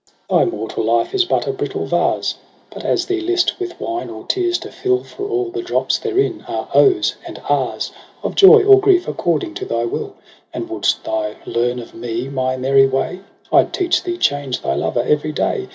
' Thy mortal life is but a brittle vase. But as thee list with wine or tears to fill ; For all the drops therein are Ohs and Ahs Of joy or grief according to thy will j And wouldst thou learn of me my merry way, I'd teach thee change thy lover every day.